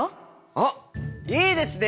あっいいですね。